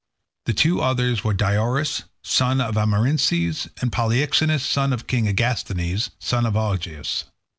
The two others were Diores, son of Amarynceus, and Polyxenus, son of King Agasthenes, son of Augeas.